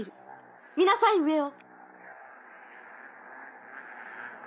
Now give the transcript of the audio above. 見なさい上を。